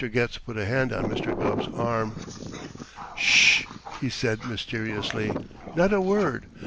Getz put a hand on Mr. Gubb's arm. "Sh h!" he said mysteriously. "Not a word.